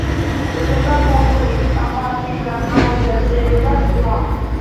გვხვდება კობრი, კაპარჭინა, ფარგა, წერი და სხვა.